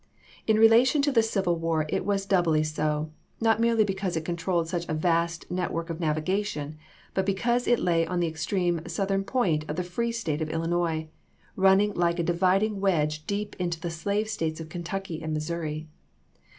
In relation to the civil war it was doubly so, not merely because it controlled such a vast net work of navigation, but because it lay on the extreme southern point of the free State of Illinois, running like a dividing wedge deep between the slave States of Kentucky and Missouri.